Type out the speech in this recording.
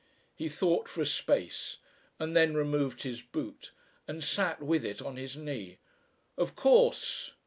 He thought for a space, and then removed his boot and sat with it on his knee. "Of course!...